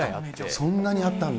そんなにあったんだ。